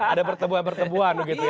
ada pertemuan pertemuan begitu ya